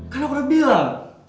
kan aku udah bilang